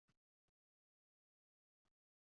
Shavkat Mirziyoyevning nutqi to‘lig‘icha taqdim etiladi